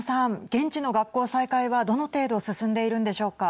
現地の学校再開はどの程度進んでいるんでしょうか。